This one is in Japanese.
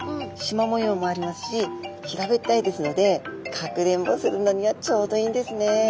模様もありますし平べったいですのでかくれんぼするのにはちょうどいいんですね。